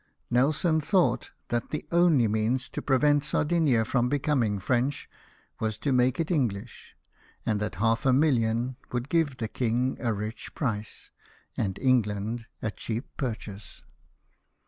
Nelson thought that the only means to prevent Sardinia from becoming French was to make it English, and that half a million would give the King a rich price, and England a cheap pur chase.